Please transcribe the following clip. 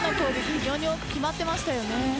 非常に多く決まっていましたよね。